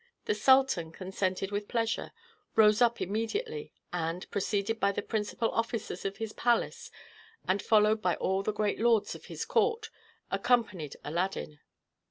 The sultan consented with pleasure, rose up immediately, and, preceded by the principal officers of his palace, and followed by all the great lords of his court, accompanied Aladdin.